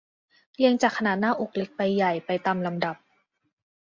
เรียงจากขนาดหน้าอกเล็กและใหญ่ไปตามลำดับ